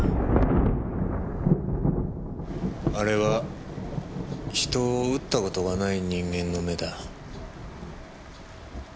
あれは人を撃った事がない人間の目だ。